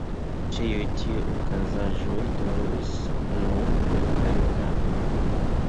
Ĉiuj tiuj okazaĵoj daŭris nur kelkajn tagojn.